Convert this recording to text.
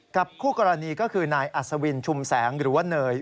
กับคู่กรณีนายอัศวินชุมแสงหรือว่าเนย